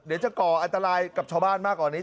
เดี๋ยวจะก่ออันตรายกับชาวบ้านมากกว่านี้